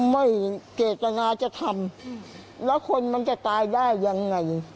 ไม่เจตนาจะทำแล้วคนมันจะตายได้ยังไง